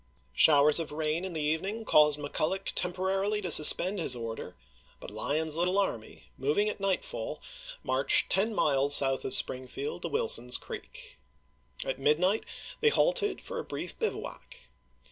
Showers of rain in the evening caused McCuUoch temporarily to suspend his order ; but Lyon's little army, moving at night fall, marched ten miles south of Springfield to Wilson's Creek. At midnight they halted for a brief bivouac.